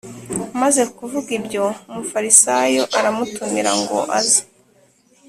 Amaze kuvuga ibyo Umufarisayo aramutumira ngo aze